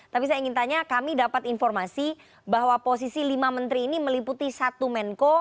tapi saya ingin tanya kami dapat informasi bahwa posisi lima menteri ini meliputi satu menko